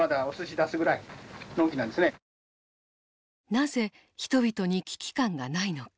なぜ人々に危機感がないのか。